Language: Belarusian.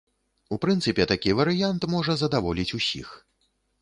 У прынцыпе, такі варыянт можа задаволіць усіх.